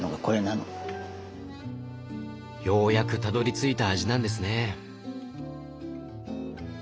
ようやくたどりついた味なんですね。